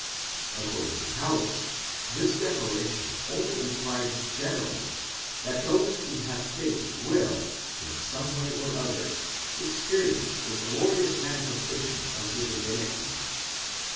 According to Paulus, this declaration only implied generally that those who have faith will, in some way or other, experience a glorious manifestation of the divinity.